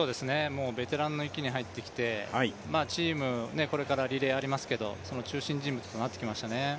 ベテランの域に入ってきてチームこれからリレーがありますけどその中心人物となってきましたね。